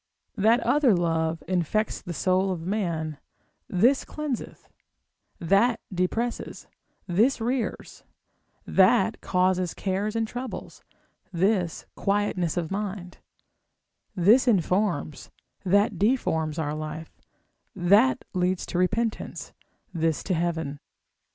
That other love infects the soul of man, this cleanseth; that depresses, this rears; that causeth cares and troubles, this quietness of mind; this informs, that deforms our life; that leads to repentance, this to heaven.